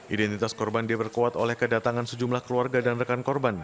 identitas korban diperkuat oleh kedatangan sejumlah keluarga dan rekan korban